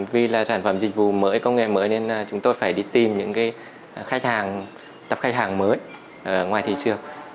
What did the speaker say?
vì là sản phẩm dịch vụ mới công nghệ mới nên chúng tôi phải đi tìm những khách hàng tập khách hàng mới ngoài thị trường